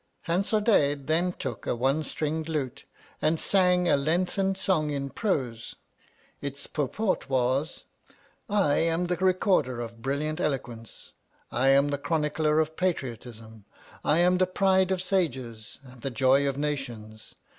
Hansardadade then took a one stringed lute, and sang a lengthened song in prose. Its pur port was, I am the recorder of brilliant elo queuce, I am the chronicler of patriotism, I am the pride of sages, and the joy of nations.